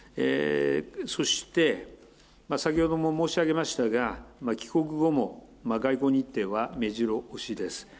そして先ほども申し上げましたが、帰国後も、外交日程はめじろ押しです。